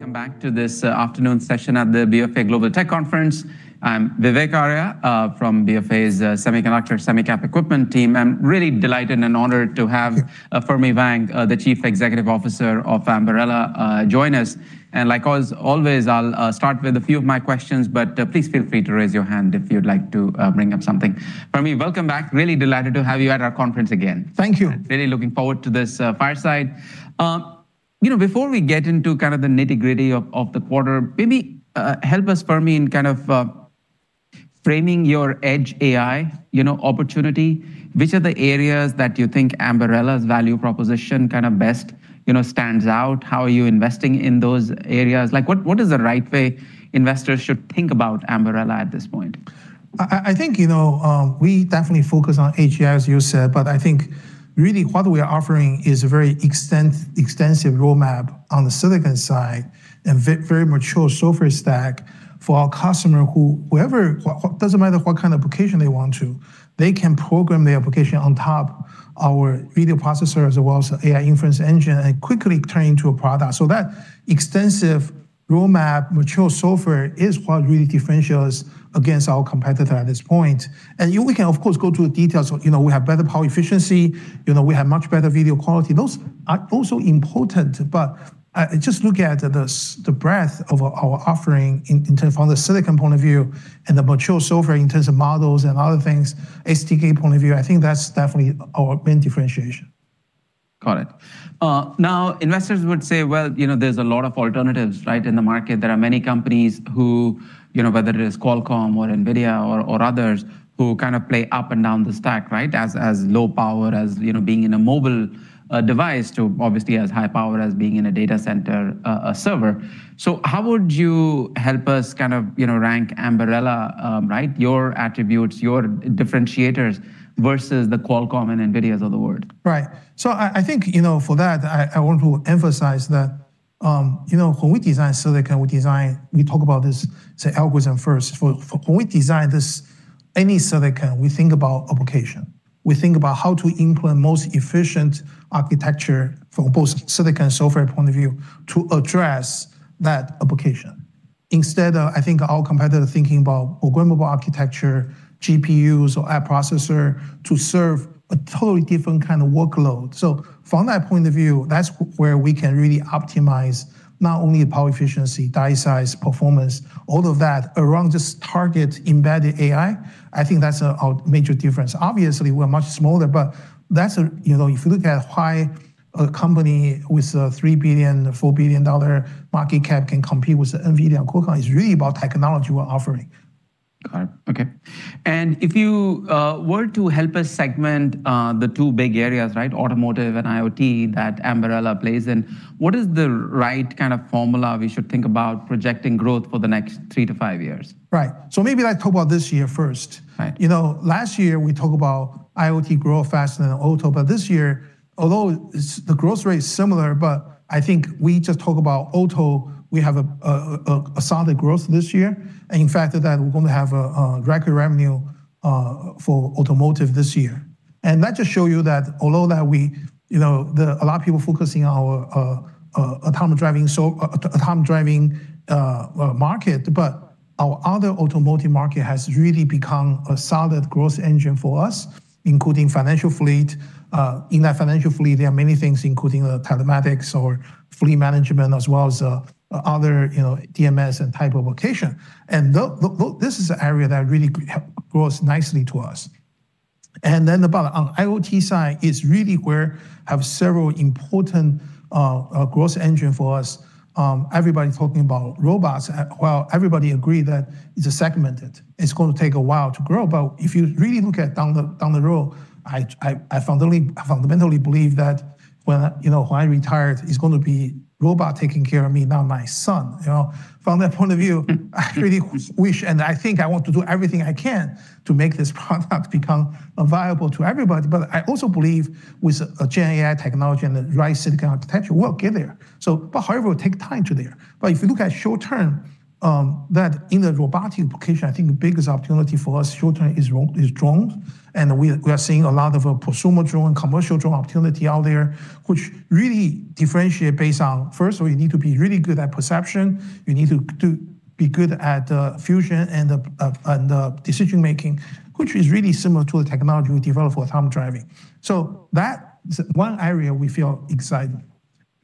Welcome back to this afternoon session at the BofA Global Technology Conference. I'm Vivek Arya from BofA's Semiconductor/Semi-CAP Equipment team. I'm really delighted and honored to have Fermi Wang, the chief executive officer of Ambarella, join us. Like always, I'll start with a few of my questions, but please feel free to raise your hand if you'd like to bring up something. Fermi, welcome back. Really delighted to have you at our conference again. Thank you. Really looking forward to this fireside. Before we get into kind of the nitty-gritty of the quarter, maybe help us, Fermi, in framing your edge AI opportunity. Which are the areas that you think Ambarella's value proposition best stands out? How are you investing in those areas? What is the right way investors should think about Ambarella at this point? I think we definitely focus on edge AI, as you said, but I think really what we are offering is a very extensive roadmap on the silicon side and a very mature software stack for our customer. It doesn't matter what kind of application they want to, they can program the application on top our video processor, as well as AI inference engine, and quickly turn it into a product. That extensive roadmap, mature software is what really differentiate us against our competitors at this point. We can, of course, go through the details. We have better power efficiency; we have much better video quality. Those are also important, but just look at the breadth of our offering in terms of on the silicon point of view and the mature software in terms of models and other things, SDK point of view. I think that's definitely our main differentiation. Got it. Investors would say, "Well, there are a lot of alternatives, right, in the market." There are many companies who, whether it is Qualcomm or NVIDIA or others, who play up and down the stack. As low power as being in a mobile device to obviously as high power as being in a data center or a server. How would you help us rank Ambarella, your attributes, your differentiators versus the Qualcomm and NVIDIA of the world? Right. I think for that, I want to emphasize that when we design silicon, we talk about this, say algorithm-first. When we design any silicon, we think about application. We think about how to implement most efficient architecture from both silicon and software points of view to address that application. Instead, I think our competitor thinking about programmable architecture, GPUs, or app processors to serve a totally different kind of workload. From that point of view, that's where we can really optimize not only the power efficiency, die size, performance, all of that around this target embedded AI. I think that's our major difference. Obviously, we're much smaller, but if you look at why a company with a $3 billion, $4 billion market cap can compete with NVIDIA and Qualcomm, it's really about technology we're offering. Got it. Okay. If you were to help us segment the two big areas, automotive and IoT, that Ambarella plays in, what is the right kind of formula we should think about projecting growth for the next three to five years? Right. Maybe let's talk about this year first. Right. Last year, we talked about IoT grow faster than auto. This year, although the growth rate is similar, but I think we just talk about auto; we have a solid growth this year. In fact, that we're going to have a record revenue for automotive this year. That just show you that although that a lot of people are focusing on autonomous driving market, but our other automotive market has really become a solid growth engine for us, including commercial fleets. In that commercial fleet, there are many things including telematics or fleet management, as well as other DMS and types of applications. This is an area that really help growth nicely to us. About on IoT side is really where have several important growth engines for us. Everybody is talking about robots. Well, everybody agree that it's segmented. It's going to take a while to grow. If you really look at down the road, I fundamentally believe that when I retire, it's going to be robot taking care of me, not my son. From that point of view, I really wish, and I think I want to do everything I can to make this product become viable to everybody. I also believe with GenAI technology and the right silicon architecture, we'll get there. However, it will take time to there. If you look at short term, that in the robotic application, I think the biggest opportunity for us short term is drones. We are seeing a lot of prosumer drone, commercial drone opportunity out there, which really differentiate based on first, we need to be really good at perception. You need to be good at fusion and decision-making, which is really similar to the technology we develop for autonomous driving. That is one area we feel excited.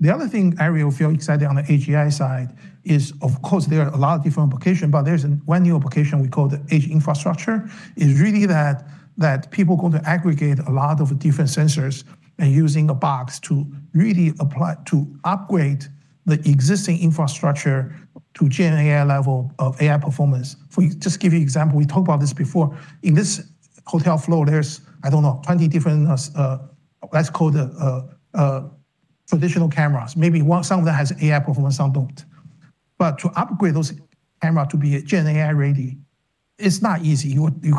The other thing area we feel excited on the AGI side is, of course, there are a lot of different applications, but there's one new application we call "edge infrastructure," which is really that people going to aggregate a lot of different sensors and using a box to really apply to upgrade the existing infrastructure to GenAI-level AI performance. Just to give you an example, we talked about this before. In this hotel floor, there's, I don't know, 20 different, let's call it traditional cameras. Maybe some of them has AI performance, some don't. To upgrade those cameras to be GenAI-ready, it's not easy. You need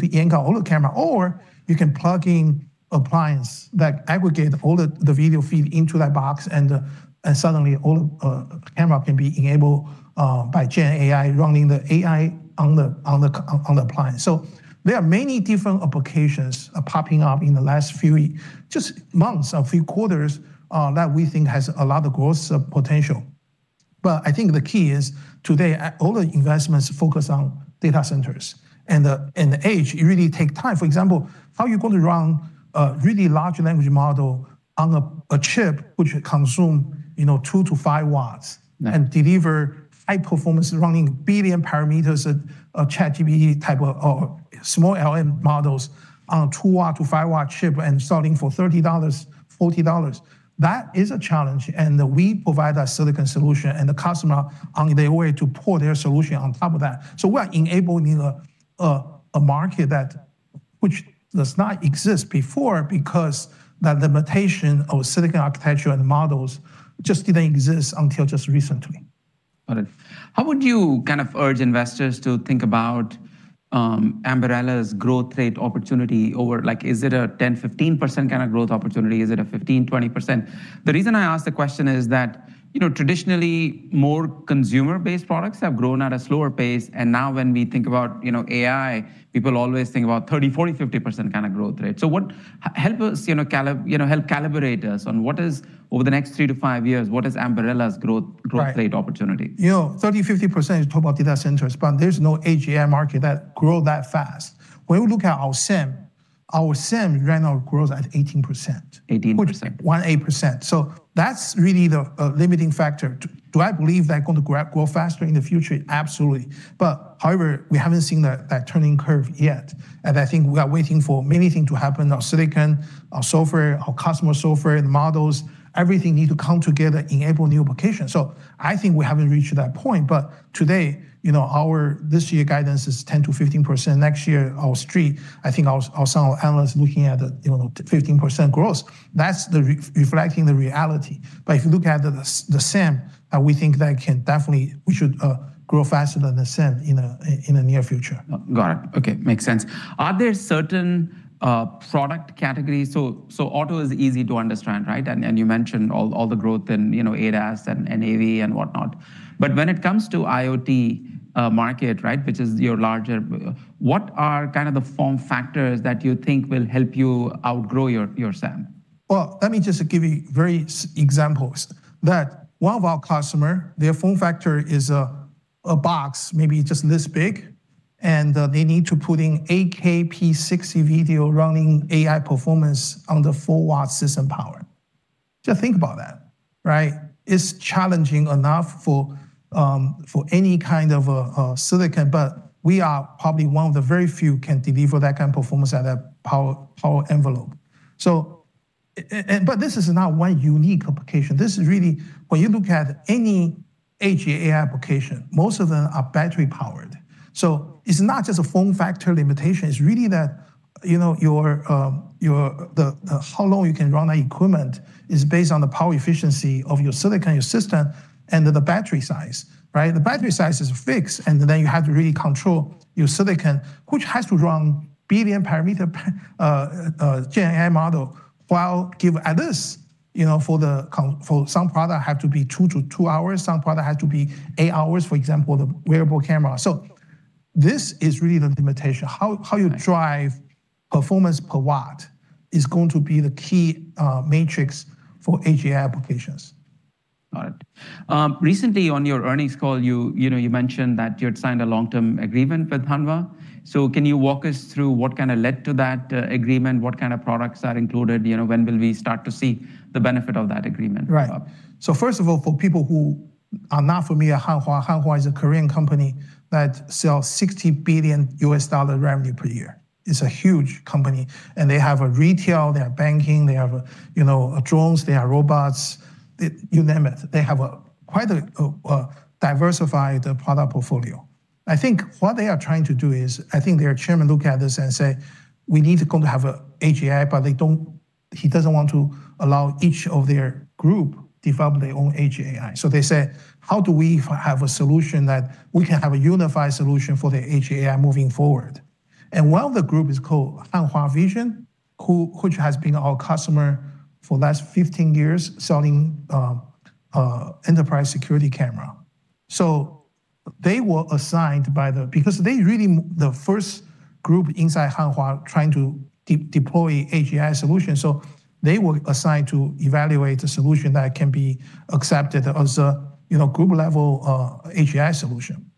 to yank out all the cameras, or you can plug in appliance that aggregates all the video feeds into that box; suddenly all cameras can be enabled by GenAI running the AI on the appliance. There are many different applications popping up in the last few, just months or few quarters that we think has a lot of growth potential. I think the key is today; all the investments focus on data centers. The edge, it really takes time. For example, how are you going to run a really large language model on a chip which consume 2-5 watts and delivers high performance running billion parameters at a ChatGPT-type of small LM model on a 2-watt to 5-watt chip and selling for $30, $40? That is a challenge, and we provide a silicon solution, and the customer on their way to put their solution on top of that. We are enabling a market which does not exist before because that limitation of silicon architecture and models just didn't exist until just recently. Got it. How would you urge investors to think about Ambarella's growth rate opportunity over, like is it a 10%-15% kind of growth opportunity? Is it a 15%-20%? The reason I ask the question is that traditionally, more consumer-based products have grown at a slower pace. Now when we think about AI, people always think about 30%, 40%, 50% kind of growth rate. Help calibrate us on what is over the next three to five years, what is Ambarella's growth rate opportunity 30%-50% is talk about data centers, but there's no AGI market that grows that fast. When we look at our SAM, our SAM right now grows at 18%. 18%. 18%. That's really the limiting factor. Do I believe they're going to grow faster in the future? Absolutely. However, we haven't seen that turning curve yet, and I think we are waiting for many things to happen. Our silicon, our software, our customer software, the models, everything needs to come together, enable new applications. I think we haven't reached that point, but today, this year's guidance is 10%-15%. Next year, our street, I think some of our analysts looking at 15% growth. That's reflecting the reality. If you look at the SAM, we think that it can definitely; we should grow faster than the SAM in the near future. Got it. Okay, makes sense. Are there certain product categories, so auto is easy to understand? You mentioned all the growth in ADAS and AV and whatnot. When it comes to IoT market, which is your larger, what are the form factors that you think will help you outgrow your SAM? Well, let me just give you very examples: that one of our customers, their form factor is a box, maybe just this big, and they need to put in 8K p60 video running AI performance on the 4-watt system power. Just think about that. It's challenging enough for any kind of silicon; we are probably one of the very few can deliver that kind of performance at that power envelope. This is not one unique application. This is really when you look at any GenAI application; most of them are battery-powered. It's not just a form factor limitation; it's really that how long you can run that equipment is based on the power efficiency of your silicon, your system, and the battery size. The battery size is fixed, and then you have to really control your silicon, which has to run billion-parameter GenAI model, while give others, for some products, have to be two to two hours, some product have to be eight hours, for example, the wearable camera. This is really the limitation. How you drive performance per watt is going to be the key metric for AGI applications. Got it. Recently on your earnings call, you mentioned that you had signed a long-term agreement with Hanwha. Can you walk us through what led to that agreement? What kind of products are included? When will we start to see the benefit of that agreement? Right. First of all, for people who are not familiar, Hanwha is a Korean company that sells $60 billion in revenue per year. It's a huge company. They have a retail, they have banking, they have drones, they have robots. You name it. They have quite a diversified product portfolio. I think what they are trying to do is, I think their chairman look at this and says, "We need to go to have an AGI." He doesn't want to allow each of their group develop their own AGI. They say, "How do we have a solution that we can have a unified solution for the AGI moving forward?" One of the group is called Hanwha Vision, which has been our customer for the last 15 years, selling enterprise security cameras. They were assigned because they really the first group inside Hanwha trying to deploy an AI solution. They were assigned to evaluate a solution that can be accepted as a group-level AI solution.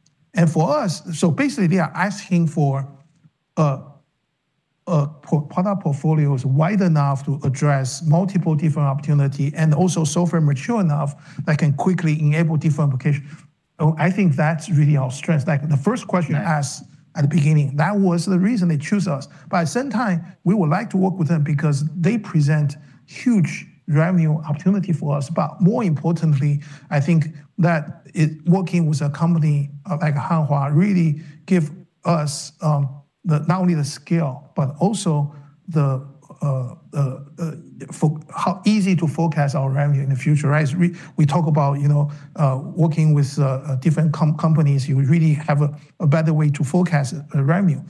For us, basically, they are asking for product portfolios wide enough to address multiple different opportunity and also software mature enough that can quickly enable different applications. I think that's really our strength. Like the first question you asked at the beginning, that was the reason they chose us. At the same time, we would like to work with them because they present huge revenue opportunity for us. More importantly, I think that working with a company like Hanwha really give us, not only the scale but also how easy to forecast our revenue in the future. As we talk about working with different companies, you really have a better way to forecast revenue.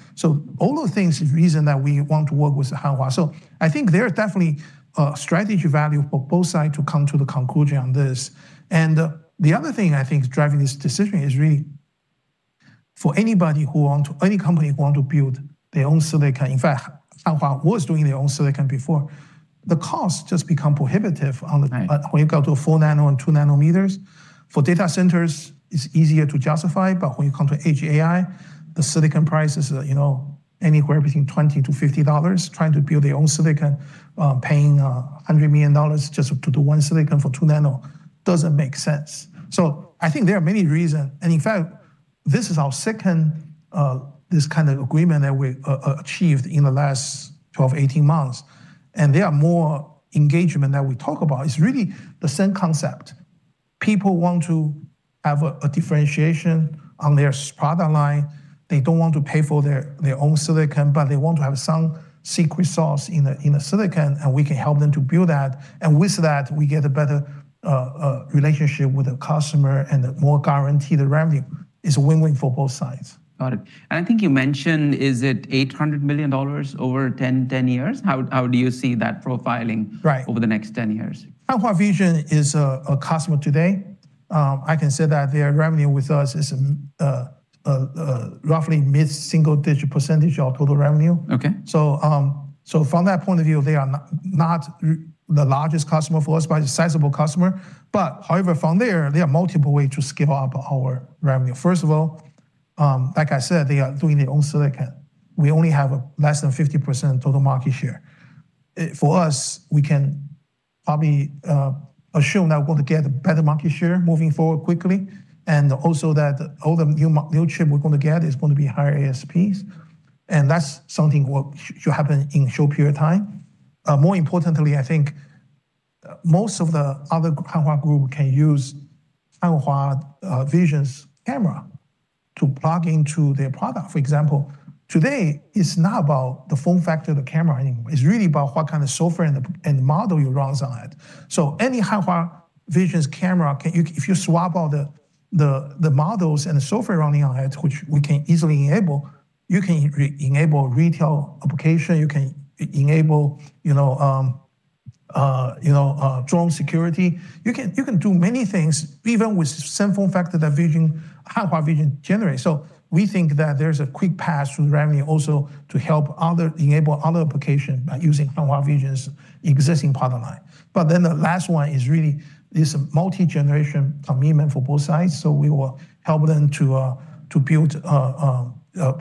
All the things is reason that we want to work with Hanwha. I think there is definitely a strategic value for both sides to come to the conclusion on this. The other thing I think is driving this decision is really. For anybody, any company want to build their own silicon; in fact, Hanwha was doing their own silicon before. The cost just become prohibitive. Right when you come to 4 nano and 2 nanometers. For data centers, it's easier to justify. When you come to edge AI, the silicon price is anywhere between $20 to $50. Trying to build their own silicon, paying $100 million just to do one silicon for 2 nano doesn't make sense. I think there are many reasons, and in fact, this is our second, this kind of agreement that we achieved in the last 12, 18 months. There are more engagement that we talk about. It's really the same concept. People want to have a differentiation on their product line. They don't want to pay for their own silicon, but they want to have some secret sauce in the silicon, and we can help them to build that. With that, we get a better relationship with the customer and the more guaranteed revenue. It's a win-win for both sides. Got it. I think you mentioned, is it $800 million over 10 years. How do you see that profiling- Right over the next 10 years? Hanwha Vision is a customer today. I can say that their revenue with us is roughly a mid-single-digit percentage of total revenue. Okay. From that point of view, they are not the largest customer for us but a sizable customer. From there are multiple way to scale up our revenue. First of all, like I said, they are doing their own silicon. We only have less than 50% total market share. For us, we can probably assume that we're going to get a better market share moving forward quickly and also that all the new chips we're going to get is going to be higher ASPs, and that's something we should happen in a short period of time. More importantly, I think most of the other Hanwha Group can use Hanwha Vision's camera to plug into their product. Today it's not about the form factor of the camera anymore. It's really about what kind of software and the model you run on it. Any Hanwha Vision's camera, if you swap out the models and the software running on it, which we can easily enable, you can enable retail application, you can enable drone security. You can do many things even with same form factor that Hanwha Vision generates. We think that there's a quick path through revenue also to help enable other applications by using Hanwha Vision's existing product line. The last one is really this multi-generation commitment for both sides, so we will help them to build a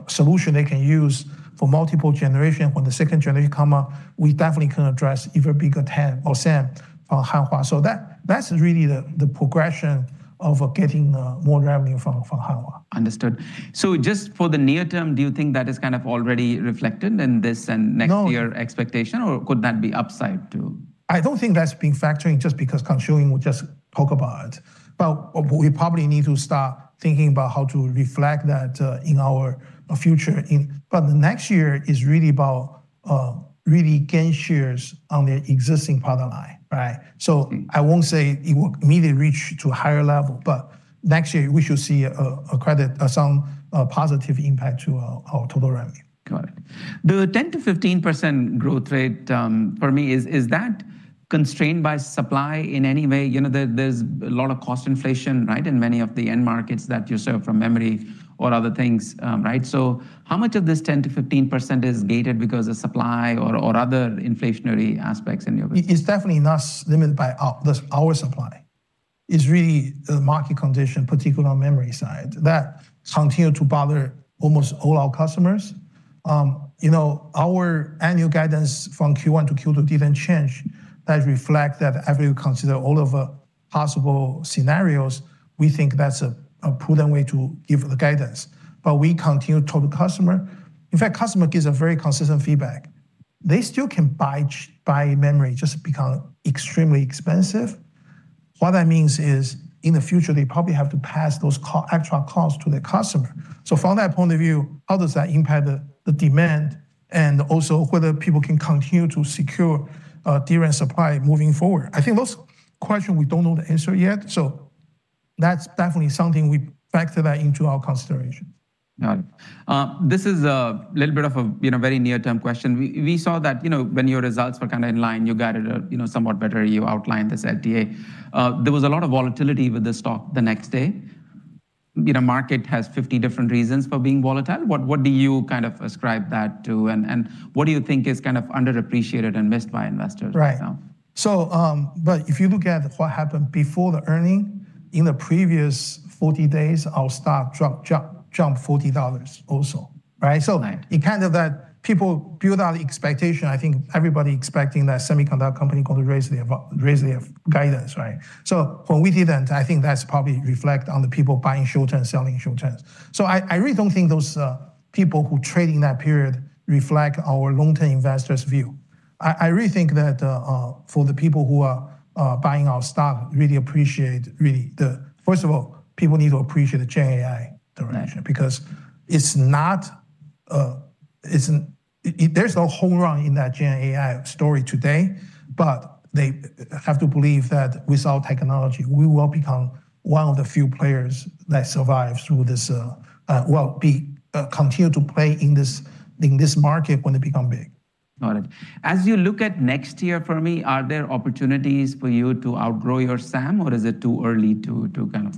solution they can use for multiple generations. When the second generation comes up, we definitely can address either a bigger TAM or SAM for Hanwha. That's really the progression of getting more revenue from Hanwha. Understood. Just for the near term, do you think that is kind of already reflected in this? No Year expectation, or could that be upside too? I don't think that's been factoring just because Kang Seung would just talk about it. We probably need to start thinking about how to reflect that in our future. The next year is really about gain shares on their existing product line, right? I won't say it will immediately reach to a higher level, but next year we should see some positive impact to our total revenue. Got it. The 10%-15% growth rate, for me, is that constrained by supply in any way? There's a lot of cost inflation, right, in many of the end markets that you serve, from memory or other things. Right? How much of this 10%-15% is gated because of supply or other inflationary aspects in your view? It's definitely not limited by our supply. It's really the market condition, particularly on memory side, that reflects that continue to bother almost all our customers. Our annual guidance from Q1 to Q2 didn't change. That reflects that after you consider all of the possible scenarios, we think that's a prudent way to give the guidance. We continue to talk to the customer. In fact, customer gives a very consistent feedback. They still can buy memory, just become extremely expensive. What that means is, in the future, they probably have to pass those extra costs to their customer. From that point of view, how does that impact the demand and also whether people can continue to secure DRAM supply moving forward? I think those questions, we don't know the answer to yet; that's definitely something we factor that into our consideration. Got it. This is a little bit of a very near-term question. We saw that when your results were kind of in line, you guided a somewhat better; you outlined this at the A. There was a lot of volatility with the stock the next day. Market has 50 different reasons for being volatile. What do you kind of ascribe that to, and what do you think is kind of underappreciated and missed by investors right now? Right. If you look at what happened before the earning, in the previous 40 days, our stock jumped $40 also, right? Right. It kind of that people build out expectations; I think everybody expecting that semiconductor company going to raise their guidance, right? When we didn't, I think that's probably reflects on the people buying short-term and selling short-term. I really don't think those people who trade in that period reflect our long-term investors' view. I really think that, for the people who are buying our stock really appreciate it. First of all, people need to appreciate the GenAI direction. Right. There's no home run in that GenAI story today, but they have to believe that with our technology, we will become one of the few players that survive through this, well, continue to play in this market when it become big. Got it. As you look at next year's Fermi, are there opportunities for you to outgrow your SAM or is it too early to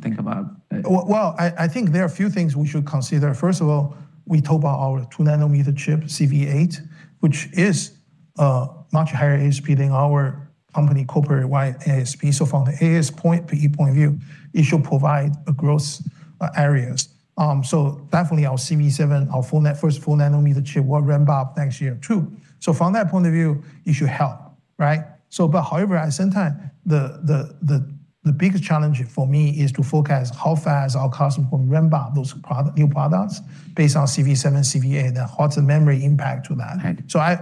think about it? Well, I think there are a few things we should consider. First of all, we talk about our 2-nanometer chip, CV8, which is a much higher ASP than our company's corporate-wide ASP. From the ASP point, PE point of view, it should provide growth areas. Definitely our CV7, our first full-nanometer chip will ramp up next year too. From that point of view, it should help. Right? However, at the same time, the biggest challenge for me is to forecast how fast our customer can ramp up those new products based on CV7, CV8, and what's the memory impact of that is. Right.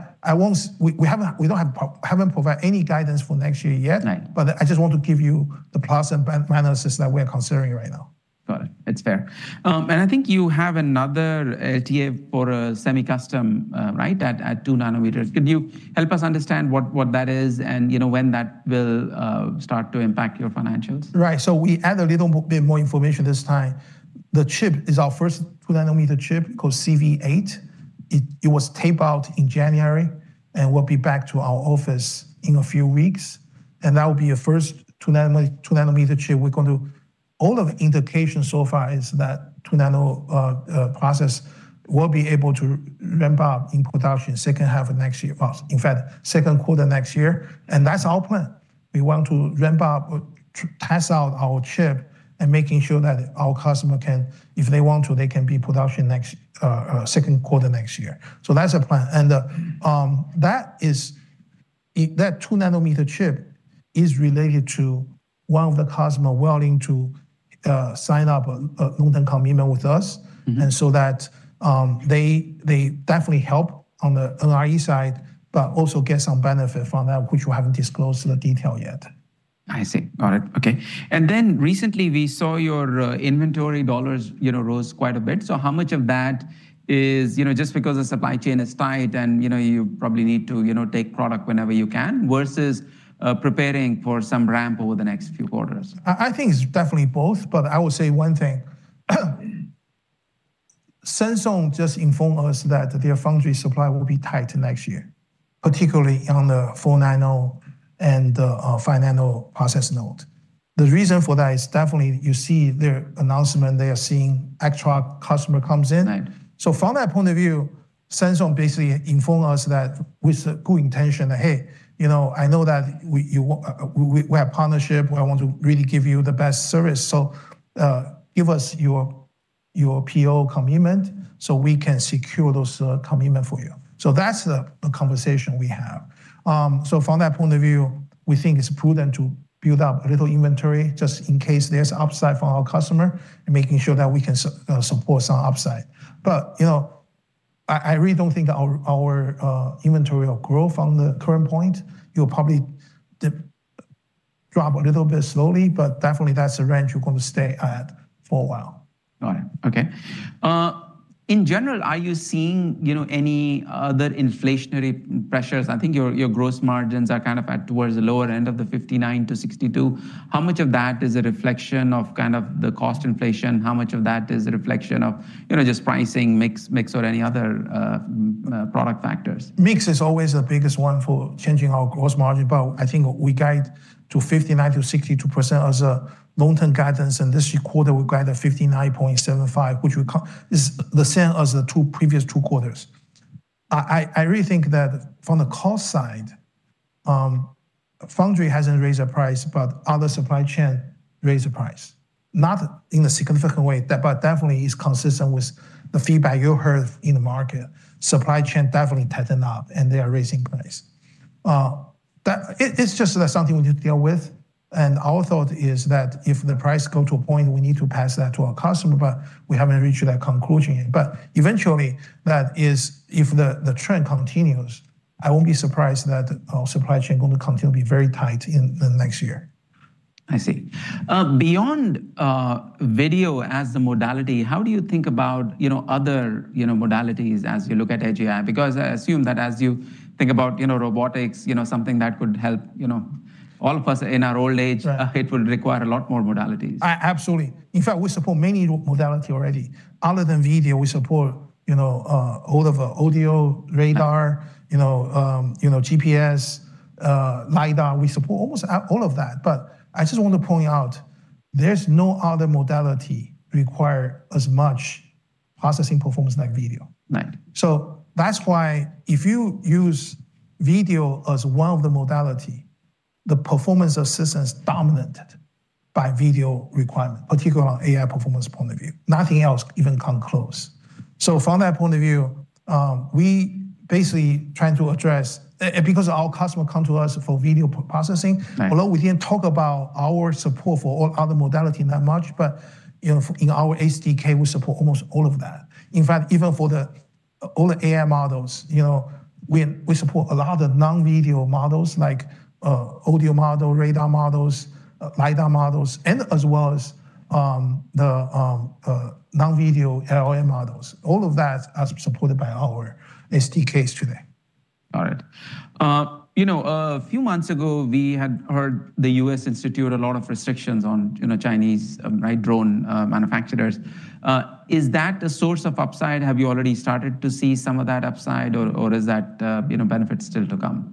We haven't provided any guidance for next year yet. Right. I just want to give you the plus and analysis that we're considering right now. Got it. It's fair. I think you have another LTA for semi-custom, right, at two nanometers? Can you help us understand what that is and when that will start to impact your financials? Right. We add a little bit more information this time. The chip is our first 2-nanometer chip, called CV8. It was taped out in January and will be back to our office in a few weeks, and that will be a first 2-nanometer chip. All of the indications so far is that 2-nanometer process will be able to ramp up in production second half of next year, or in fact, the second quarter next year. That's our plan. We want to ramp up, test out our chip, and making sure that our customer can, if they want to, they can be in production second quarter next year. That's the plan, and that 2-nanometer chip is related to one of the customer willing to sign up a long-term commitment with us. They definitely help on the NRE side but also get some benefit from that which we haven't disclosed the detail yet. I see. Got it. Okay. Recently we saw your inventory dollars rose quite a bit. How much of that is just because the supply chain is tight and you probably need to take product whenever you can versus preparing for some ramp over the next few quarters? I think it's definitely both, but I will say one thing. Samsung just informed us that their foundry supply will be tight next year, particularly on the 4 nano and the 5 nano process nodes. The reason for that is definitely you see their announcement; they are seeing extra customers come in. Right. From that point of view, Samsung basically informed us that with the good intention that "Hey, I know that we have a partnership; we want to really give you the best service. Give us your PO commitment so we can secure those commitments for you." That's the conversation we have. From that point of view, we think it's prudent to build up a little inventory just in case there's upside for our customer and making sure that we can support some upside. I really don't think our inventory or growth on the current point; it will probably drop a little bit slowly, but definitely that's the range we're going to stay at for a while. Got it. Okay. In general, are you seeing any other inflationary pressures? I think your gross margins are at towards the lower end of the 59%-62%. How much of that is a reflection of the cost inflation? How much of that is a reflection of just pricing, mix, or any other product factors? Mix is always the biggest one for changing our gross margin, but I think we guide to 59%-62% as long-term guidance, and this quarter we guide a 59.75%, which is the same as the previous two quarters. I really think that from the cost side, foundry hasn't raised their price, but other supply chain raised the price. Not in a significant way, but definitely is consistent with the feedback you heard in the market. Supply chains are definitely tighten up, and they are raising prices. It's just something we need to deal with, and our thought is that if the price go to a point, we need to pass that to our customer, but we haven't reached that conclusion yet. Eventually, if the trend continues, I won't be surprised that our supply chain going to continue to be very tight in the next year. I see. Beyond video as the modality, how do you think about other modalities as you look at AGI? I assume that as you think about robotics, something that could help all of us in our old age. Right It will require a lot more modalities. Absolutely. In fact, we support many modality already. Other than video, we support all of the audio, radar. Right GPS, lidar. We support almost all of that. I just want to point out there's no other modality requires as much processing performance like video. Right. That's why if you use video as one of the modality, the performance assistance is dominated by video requirement, particular on AI performance point of view. Nothing else even come close. From that point of view, we basically trying to address. Right We didn't talk about our support for all other modality that much, but in our SDK, we support almost all of that. In fact, even for all the AI models, we support a lot of non-video models like audio model, radar models, lidar models, and as well as the non-video LLM models. All of that are supported by our SDKs today. Got it. A few months ago, we had heard the U.S. institute a lot of restrictions on Chinese drone manufacturers. Is that a source of upside? Have you already started to see some of that upside, or is that benefit still to come?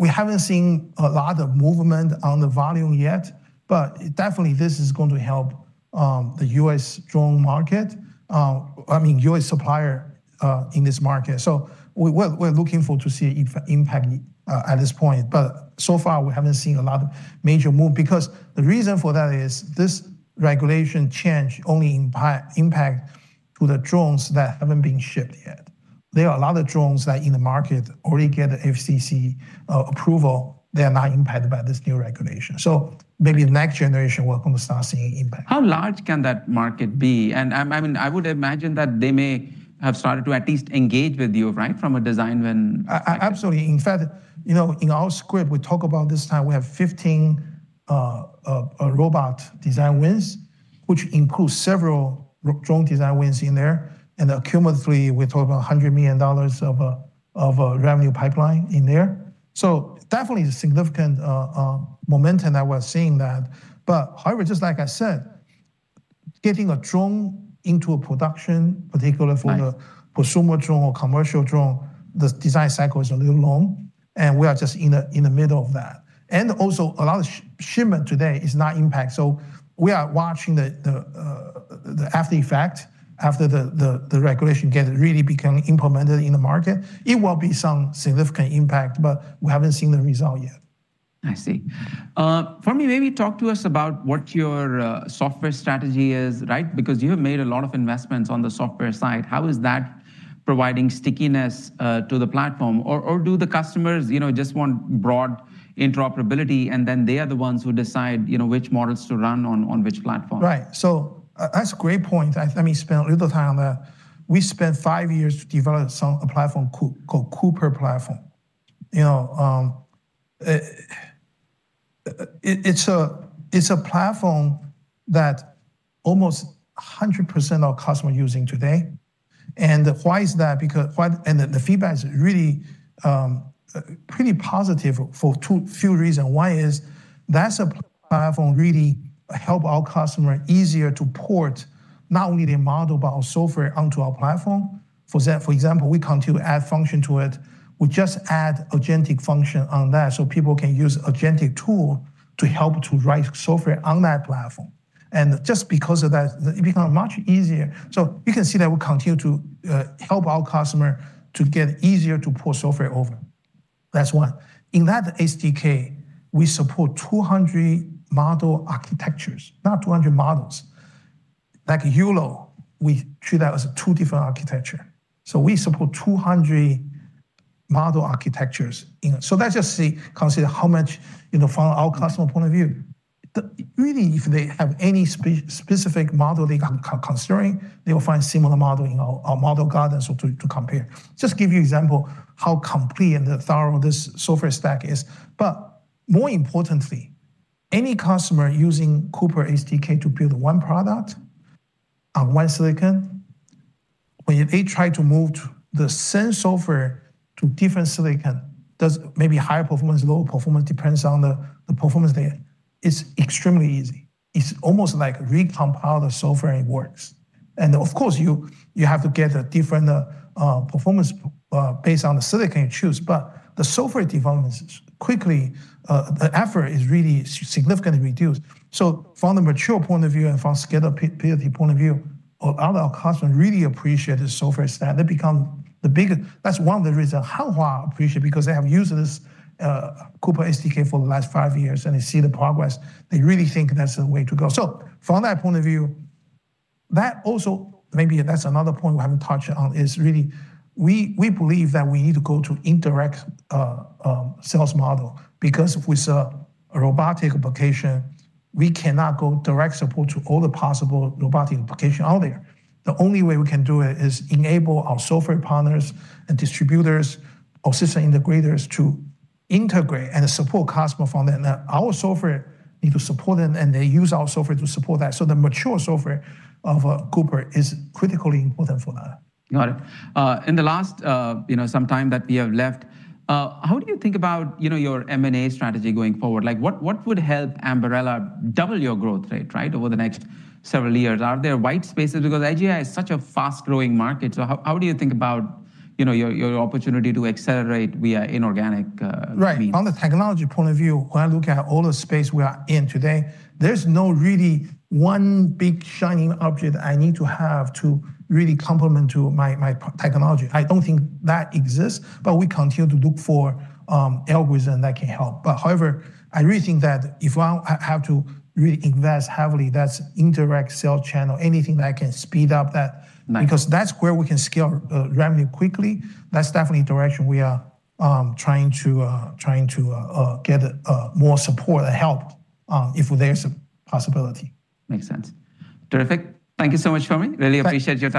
We haven't seen a lot of movement on the volume yet, but definitely this is going to help the U.S. drone market. I mean, U.S. supplier in this market. We're looking forward to see impact at this point. So far, we haven't seen a lot of major moves, because the reason for that is this regulation change only impacts the drones that haven't been shipped yet. There are a lot of drones that in the market already get FCC approval. They are not impacted by this new regulation. Maybe next generation will start seeing impact. How large can that market be? I would imagine that they may have started to at least engage with you from a design win. Absolutely. In fact, in our script, we talk about this time we have 15 robot design wins, which includes several drone design wins in there. Cumulatively, we talk about $100 million of revenue pipeline in there. Definitely significant momentum that we are seeing that. However, just like I said, getting a drone into production. Right For a consumer drone or commercial drone, the design cycle is a little long, and we are just in the middle of that. A lot of shipments today is not impact. We are watching the aftereffect. After the regulation get really implemented in the market, it will be some significant impact, but we haven't seen the result yet. I see. Fermi, maybe talk to us about what your software strategy is. You have made a lot of investments on the software side. How is that providing stickiness to the platform? Do the customers just want broad interoperability, and then they are the ones who decide which models to run on which platform? Right. That's a great point. Let me spend a little time on that. We spent five years to develop a platform called Cooper Developer Platform. It's a platform that almost 100% of our customers are using today. Why is that? The feedback is really pretty positive for few reasons. One is that platform really helps our customers to port not only their model but our software onto our platform. For example, we continue to add function to it. We just add agentic functions to that so people can use agentic tools to help to write software on that platform. Just because of that, it becomes much easier. You can see that we continue to help our customer to get easier to port software over. That's one. In that SDK, we support 200 model architectures, not 200 models. Like YOLO, we treat that as two different architectures. We support 200 model architectures in it. That's just consider how much from our customer's point of view. Really, if they have any specific model they considering, they will find similar model in our model garden to compare. Just give you example how complete and thorough this software stack is. More importantly, any customer using Cooper SDK to build one product on one silicon, when they try to move the same software to different silicon, does maybe higher performance, lower performance, depends on the performance there, it's extremely easy. It's almost like recompile the software and it works. Of course, you have to get a different performance based on the silicon you choose; the software development is quickly, the effort is really significantly reduced. From the mature point of view and from scalability point of view, all our customers really appreciate the software stack. That's one of the reason how well appreciate, because they have used this Cooper SDK for the last five years, and they see the progress. They really think that's the way to go. From that point of view, maybe that's another point we haven't touched on, is really we believe that we need to go to indirect sales model because with a robotic application, we cannot go direct support to all the possible robotic applications out there. The only way we can do it is enable our software partners and distributors or system integrators to integrate and support customers from there, and our software needs to support them, and they use our software to support that. The mature software of Cooper is critically important for that. Got it. In the last some time that we have left, how do you think about your M&A strategy going forward? What would help Ambarella double your growth rate over the next several years? Are there wide spaces? Because AGI is such a fast-growing market. How do you think about your opportunity to accelerate via inorganic means? Right. From the technology point of view, when I look at all the space we are in today, there's no really one big shining object I need to have to really complement to my technology. I don't think that exists, but we continue to look for algorithms that can help. However, I really think that if I have to really invest heavily, that's indirect sell channel. Nice Because that's where we can scale revenue quickly. That's definitely a direction. We are trying to get more support and help if there's a possibility. Makes sense. Terrific. Thank you so much, Fermi. Really appreciate your time.